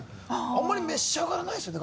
あんまり召し上がらないですよね